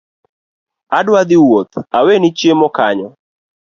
Adwa dhii wuoth aweni chiemo kanyo